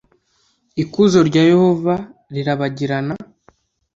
ikuzo rya yehova rirarabagirana